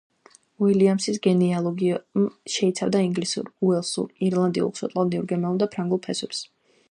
უილიამსის გენეალოგია შეიცავდა ინგლისურ, უელსურ, ირლანდიურ, შოტლანდიურ, გერმანულ და ფრანგულ ფესვებს.